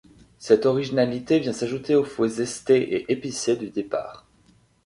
Cette originalité vient s’ajouter au fouet zesté et épicé du départ.